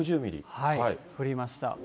降りました。